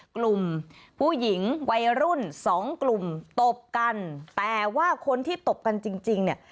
กลุ่มผู้หญิงวัยรุ่นสองกลุ่มตบกันแต่ว่าคนที่ตบกันจริงจริงเนี่ย